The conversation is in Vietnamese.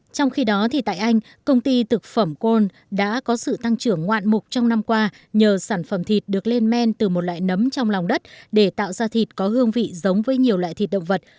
trong khi đó thì tại anh công ty thực phẩm kol đã có sự tăng trưởng ngoạn mục trong năm qua nhờ sản phẩm thịt được lên men từ một loại nấm trong lòng đất để tạo ra thịt có hương vị giống với nhiều loại thịt động vật